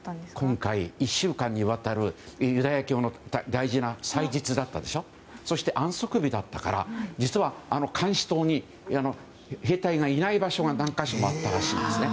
今回１週間にわたるユダヤ教の大事な祭日安息日だったから監視塔に兵隊がいない場所が何か所かあったらしいですね。